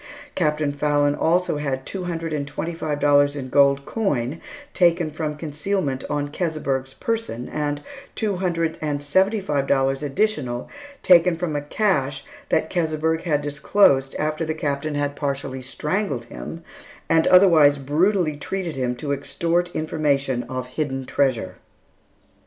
Captain Fallon also had two hundred and twenty five dollars in gold coin taken from concealment on Keseberg's person, and two hundred and seventy five dollars additional taken from a cache that Keseberg had disclosed after the Captain had partially strangled him, and otherwise brutally treated him, to extort information of hidden treasure.